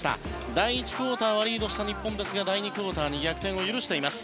第１クオーターはリードした日本ですが第２クオーターに逆転を許しています。